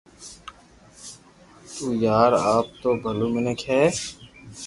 تو يار آپ تو ڀلو منيک ھي